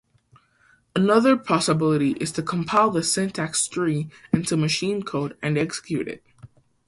Another possibility is to compile the syntax tree into machine code and execute it.